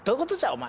お前。